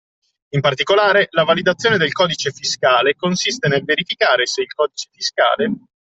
In particolare, la validazione del codice fiscale consiste nel verificare se il codice fiscale